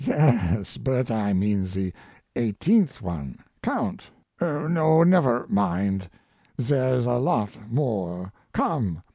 "Yes, but I mean the eighteenth one. Count. No, never mind; there's a lot more come.